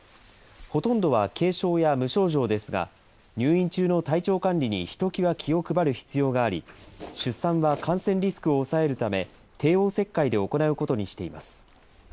ほとんどは軽症や無症状ですが、入院中の体調管理にひときわ気を配る必要があり、出産は感染リスクを抑えるため、帝王切開で行うことにしています。